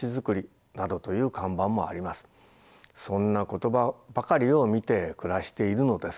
そんな言葉ばかりを見て暮らしているのです。